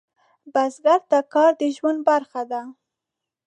بزګر ته کار د ژوند برخه ده